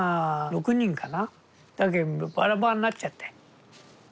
だけどバラバラになっちゃって。